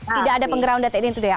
tidak ada penggerundat itu ya